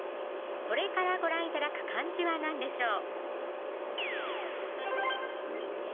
これからご覧頂く漢字は何でしょう